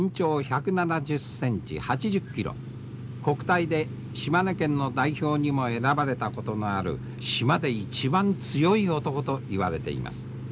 国体で島根県の代表にも選ばれたことのある島で一番強い男といわれています。